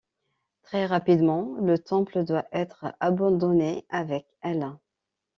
Très rapidement, le temple doit être abandonné avec l'.